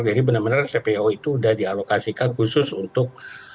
jadi benar benar cpo itu sudah dialokasikan khusus untuk